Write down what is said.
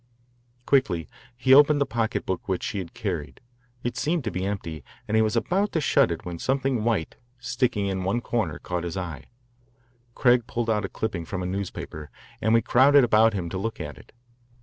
Quickly he opened the pocketbook which she had carried. It seemed to be empty, and he was about to shut it when something white, sticking in one corner, caught his eye. Craig pulled out a clipping from a newspaper, and we crowded about him to look at it.